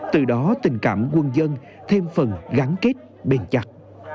từ đó tình cảm quân dân thêm phần gắn kết bền chặt